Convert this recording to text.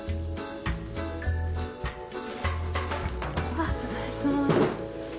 あっただいま。